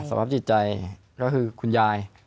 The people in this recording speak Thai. สภาพจิตใจก็คือคุณยาย